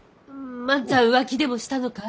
万ちゃん浮気でもしたのかい？